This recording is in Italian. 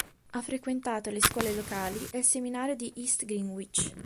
Ha frequentato le scuole locali e il Seminario di East Greenwich.